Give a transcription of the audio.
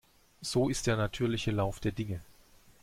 So ist der natürliche Lauf der Dinge.